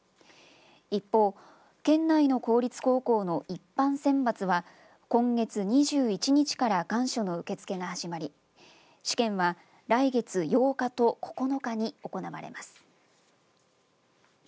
一方、県内の公立高校の一般選抜は、今月２１日から願書の受け付けが始まり試験は来月８日と９日に行われます。